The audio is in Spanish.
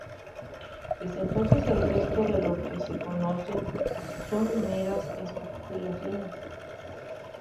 Desde entonces, el resto de lo que se conoce son meras especulaciones.